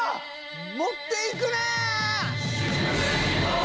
持っていくな！